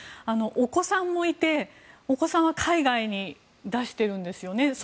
お子さんもいてお子さんは海外に出しているんですよね。